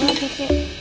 makan aja lah gigi